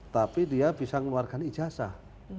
tapi dia bisa mengeluarkan ijazah